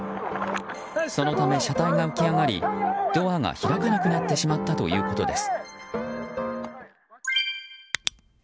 そのため、車体が浮き上がりドアが開かなくなってしまったということです。